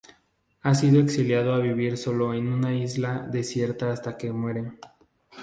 Ha sido exiliado a vivir solo en una isla desierta hasta que muere.